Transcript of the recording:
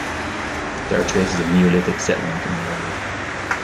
There are traces of Neolithic settlement in the area.